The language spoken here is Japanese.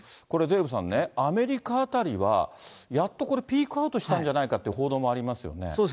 これデーブさんね、アメリカあたりは、やっとこれ、ピークアウトしたんじゃないかっていう報道もありますよね。